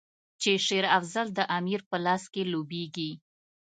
چې شېر افضل د امیر په لاس کې لوبیږي.